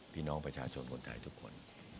พี่น้องประชาชนคนไทยทุกคน